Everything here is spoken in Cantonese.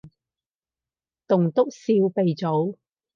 棟篤笑鼻祖